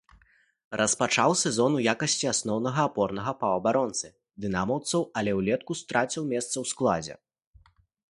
Распачаў сезон у якасці асноўнага апорнага паўабаронцы дынамаўцаў, але ўлетку страціў месца ў складзе.